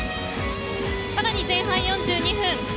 更に前半４２分。